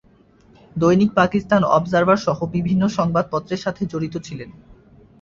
দৈনিক পাকিস্তান অবজারভার সহ বিভিন্ন সংবাদপত্রের সাথে জড়িত ছিলেন।